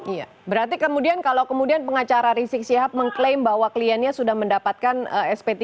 iya berarti kemudian kalau kemudian pengacara rizik sihab mengklaim bahwa kliennya sudah mendapatkan sp tiga